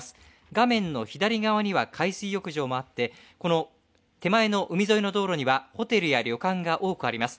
画面の左側には海水浴場もあって手前の海沿いの道路にはホテルや旅館が多くあります。